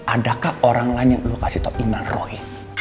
adakah orang lain yang lo kasih tau iman roy